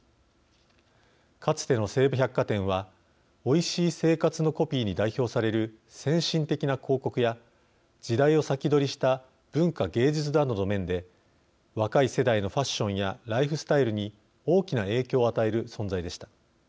かつての西武百貨店は「おいしい生活。」のコピーに代表される先進的な広告や時代を先取りした文化芸術などの面で若い世代のファッションやライフスタイルに大きな影響を与える存在でした。